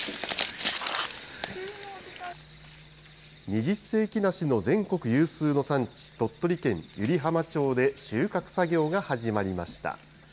二十世紀梨の全国有数の産地、鳥取県湯梨浜町で収穫作業が始まりました。